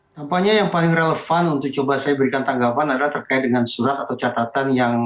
tampaknya yang paling relevan untuk coba saya berikan tanggapan adalah terkait dengan surat atau catatan yang